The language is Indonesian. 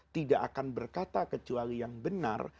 tidak akan berkata kecuali yang benar